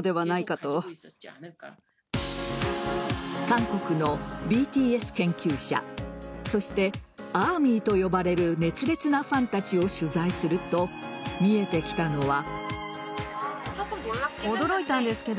韓国のＢＴＳ研究者そしてＡＲＭＹと呼ばれる熱烈なファンたちを取材すると見えてきたのは。